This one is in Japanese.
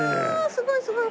すごいすごい。